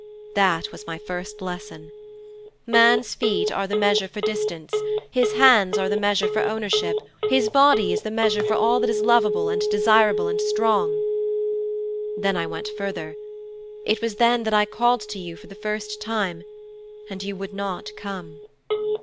That was my first lesson. Man's feet are the measure for distance, his hands are the measure for ownership, his body is the measure for all that is lovable and desirable and strong. Then I went further: it was then that I called to you for the first time, and you would not come.